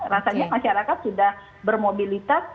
rasanya masyarakat sudah bermobilitas